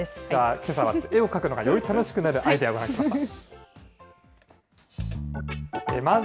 けさは絵を描くのがより楽しくなるアイデアをご覧いただきます。